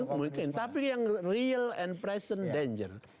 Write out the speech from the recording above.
mungkin tapi yang real and present danger